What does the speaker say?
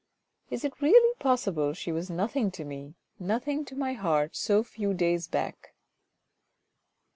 " Is it really possible she was nothing to me, nothing to my heart so few days back